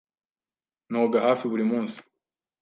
Noga hafi buri munsi.